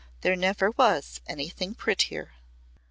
"There never was anything prettier."